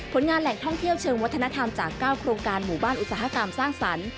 งานแหล่งท่องเที่ยวเชิงวัฒนธรรมจาก๙โครงการหมู่บ้านอุตสาหกรรมสร้างสรรค์